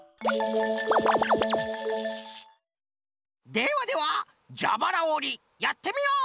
ではではじゃばらおりやってみよう！